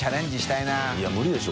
いや無理でしょ